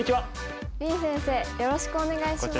林先生よろしくお願いします。